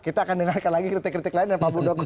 kita akan dengarkan lagi kritik kritik lain dan pak muldoko